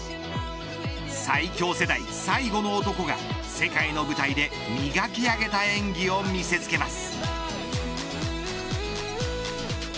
最強世代最後の男が世界の舞台で磨き上げた演技を見せつけます。